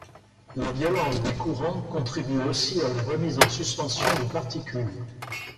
La violence des courants contribue aussi à la remise en suspension de particules.